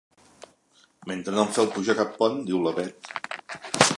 Mentre no em feu pujar a cap pont! —diu la Bet.